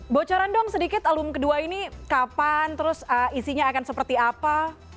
bocoran dong sedikit album kedua ini kapan terus isinya akan seperti apa